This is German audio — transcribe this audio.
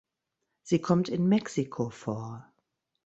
Sie kommt in Mexiko vor.